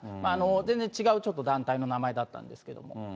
全然違うちょっと、団体の名前だったんですけれども。